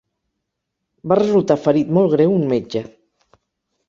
Va resultar ferit molt greu un metge.